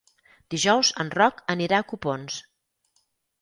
Dijous en Roc anirà a Copons.